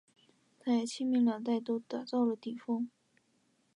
在清民两代都到了顶峰。